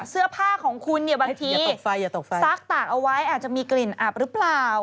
เสื้อผ้าของคุณเนี่ยบางทีซักตากเอาไว้อาจจะมีกลิ่นอับหรือเปล่า